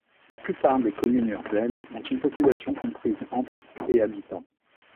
La plupart des communes urbaines ont une population comprise entre et habitants.